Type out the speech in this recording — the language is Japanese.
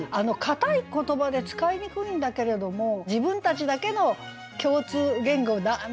硬い言葉で使いにくいんだけれども「自分たちだけの共通言語だ！」